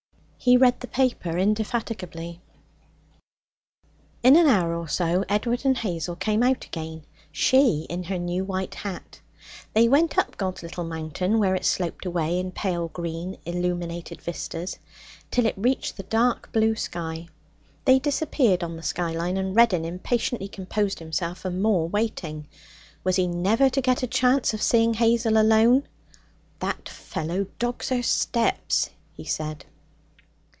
He read the paper indefatigably. In an hour or so Edward and Hazel came out again, she in her new white hat. They went up God's Little Mountain where it sloped away in pale green illuminated vistas till it reached the dark blue sky. They disappeared on the skyline, and Reddin impatiently composed himself for more waiting. Was he never to get a chance of seeing Hazel alone? 'That fellow dogs her steps,' he said.